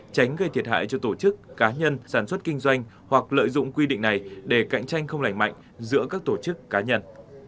tránh gây thiệt hại cho tổ chức cá nhân sản xuất kinh doanh hoặc lợi dụng quy định này để cạnh tranh không lành mạnh giữa các tổ chức cá nhân